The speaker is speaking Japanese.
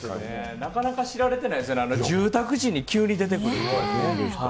なかなか知られていないですよね、住宅地に急に出てくる。